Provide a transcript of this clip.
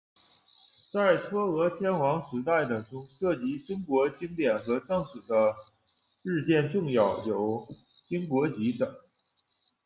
在嵯峨天皇时代的中，涉及中国经典和正史的日渐重要，有『』、『』、『经国集』等。